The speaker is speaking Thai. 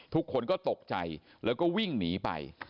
ทุกคนก็ตกใจแล้วก็วิ่งหนีไป